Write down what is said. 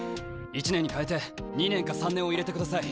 １年に代えて２年か３年を入れてください。